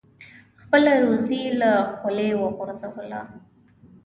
خپله روزي یې له خولې وغورځوله.